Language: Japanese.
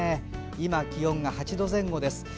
今、気温が８度前後です。